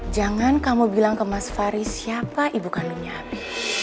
jangan kamu bilang ke mas fari siapa ibu kandungnya api